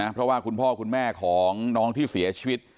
เพราะว่าคุณพ่อคุณแม่ของน้องที่เสียชีวิต